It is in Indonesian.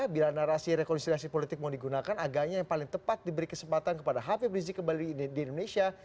bila narasi rekonsiliasi politik mau digunakan agaknya yang paling tepat diberi kesempatan kepada habib rizik kembali di indonesia